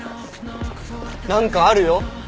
何かあるよ。